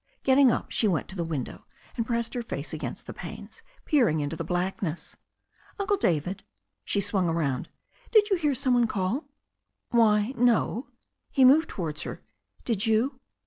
Getting up, she went to the window, and pressed her face lagainst the panes, peering into the blackness. "Uncle David," she swung around, "did you hear some one call?" "Why, no." He moved towards her. "Did you?"